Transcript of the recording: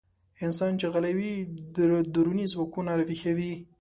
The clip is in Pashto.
انسان چې غلی وي، دروني ځواکونه راويښوي.